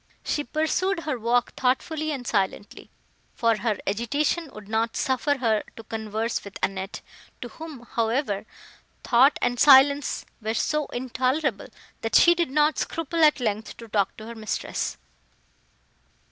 She pursued her walk thoughtfully and silently, for her agitation would not suffer her to converse with Annette, to whom, however, thought and silence were so intolerable, that she did not scruple at length to talk to her mistress.